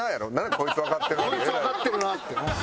こいつわかってるなって。